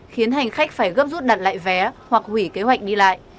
khiến hành khách phải gấp rút đặt lại vé hoặc hủy kế hoạch đi lại